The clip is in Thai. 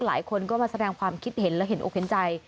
หลายคนก็มาแสดงความคิดเห็นและเห็นอกเห็นใจ